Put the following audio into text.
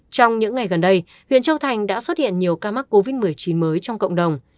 trong những ngày gần đây huyện châu thành đã xuất hiện nhiều ca mắc covid một mươi chín mới trong cộng đồng